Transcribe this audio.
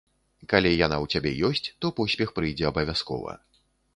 Калі яна ў цябе ёсць, то поспех прыйдзе абавязкова.